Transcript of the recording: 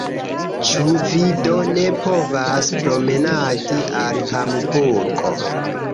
Ĉu vi do ne povas promenadi al Hamburgo?